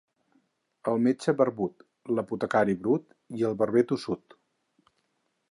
El metge barbut, l'apotecari brut i el barber tossut.